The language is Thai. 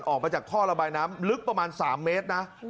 ออกมาจากท่อระบายน้ำลึกประมาณ๓เมตรนะ